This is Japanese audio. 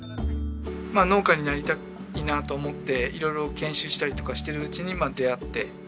農家になりたいなと思って色々研修したりとかしてるうちに出会って。